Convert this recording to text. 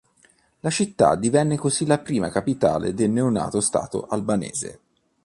La città divenne così la prima capitale del neonato Stato albanese.